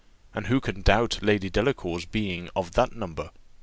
And who can doubt Lady Delacour's being of that number?"